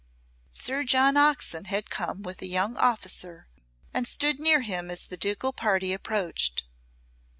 Sir John Oxon had come with a young officer, and stood near him as the ducal party approached.